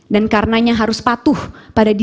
dan karenanya harus patuh pada desainnya